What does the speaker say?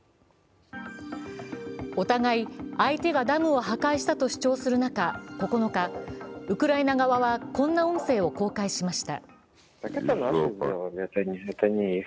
お互い、相手がダムを破壊したと主張する中、９日、ウクライナ側はこんな音声を公開しました。